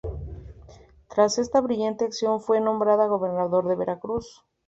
Tras esta brillante acción fue nombrado gobernador de Veracruz.